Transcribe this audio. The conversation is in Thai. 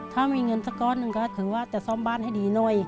ถ้ามีเงินสักก้อนหนึ่งก็คือว่าจะซ่อมบ้านให้ดีหน่อย